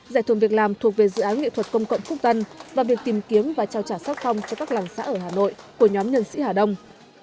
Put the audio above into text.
giải thưởng việc làm thuộc về dự án nghệ thuật công cộng phúc tân và việc tìm kiếm và trao trả sát phong cho các làng xã ở hà nội của nhóm nhân sĩ hà đông